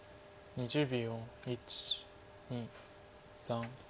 ２０秒。